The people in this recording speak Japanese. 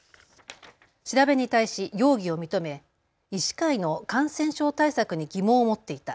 調べに対し容疑を認め医師会の感染症対策に疑問を持っていた。